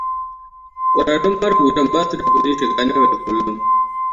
Kwararrun marubutan ba su da kudin shiga na yau da kullun.